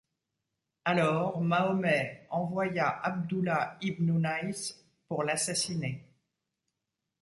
Alors Mahomet envoya Abdullah ibn Unais pour l’assassiner.